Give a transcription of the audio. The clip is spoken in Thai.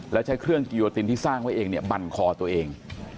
แล้วใช้เครื่องกิโยตินที่สร้างไว้เองเนี่ยบั่นคอตัวเอง